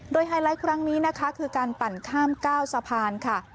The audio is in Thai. โดยไฮไลท์ครั้งนี้นะคะคือการปั่นข้าม๙สะพานค่ะ